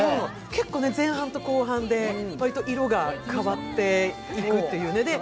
結構ね、前半と後半で色が変わっていくっていうね。